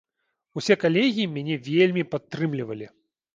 Усе калегі мяне вельмі падтрымлівалі.